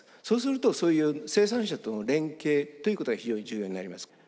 そうするとそういう生産者との連携ということが非常に重要になります。